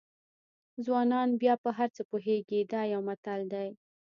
ځوانان بیا په هر څه پوهېږي دا یو متل دی.